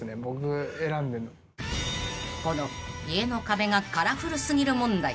［この家の壁がカラフル過ぎる問題］